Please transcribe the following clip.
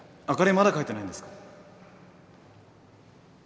あかりまだ帰ってないんですか？